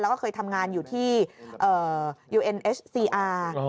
แล้วก็เคยทำงานอยู่ที่ยูเอ็นเอสซีอาร์